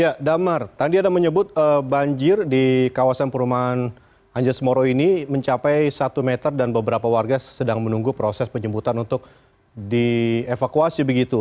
ya damar tadi anda menyebut banjir di kawasan perumahan anjas moro ini mencapai satu meter dan beberapa warga sedang menunggu proses penjemputan untuk dievakuasi begitu